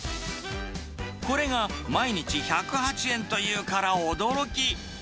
これが毎日１０８円というから驚き。